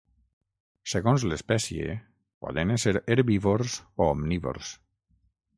Segons l'espècie poden ésser herbívors o omnívors.